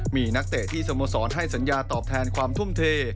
มีนักเตะที่สโมสรให้สัญญาตอบแทนความทุ่มเท